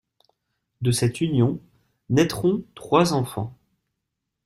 De cette union naîtront trois enfants.